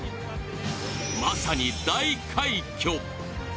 まさに大快挙！